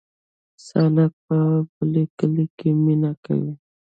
سالک په بل کلي کې مینه کوي